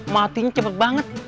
matinya cepet banget